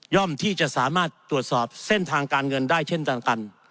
ที่จะสามารถตรวจสอบเส้นทางการเงินได้เช่นต่างกัน